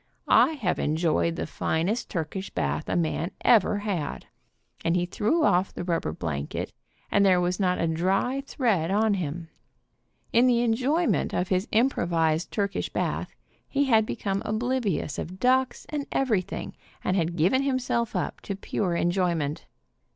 I have enjoyed the finest Turkish bath a man ever had," and he threw off the rubber blanket and there was not a dry thread on him. In the enjoyment of his improvised Turkish bath he had become oblivious of ducks and everything, and given himself up to pure enjoyment.